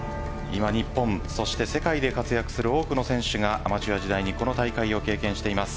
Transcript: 今日本、そして世界で活躍する多くの選手がアマチュア時代にこの大会を経験しています。